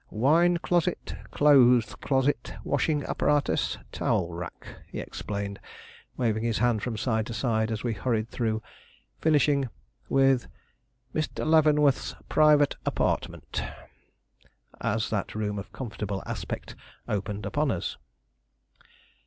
"Wine closet, clothes closet, washing apparatus, towel rack," he explained, waving his hand from side to side as we hurried through, finishing with "Mr. Leavenworth's private apartment," as that room of comfortable aspect opened upon us.